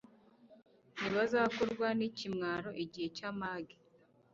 ntibazakorwa n'ikimwaro igihe cy'amage